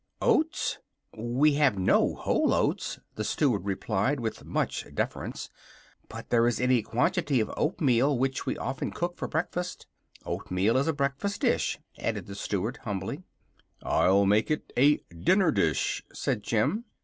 "Oats? We have no whole oats," the Steward replied, with much defference. "But there is any quantity of oatmeal, which we often cook for breakfast. Oatmeal is a breakfast dish," added the Steward, humbly. "I'll make it a dinner dish," said Jim.